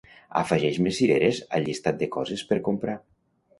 Afegeix-me cireres al llistat de coses per comprar.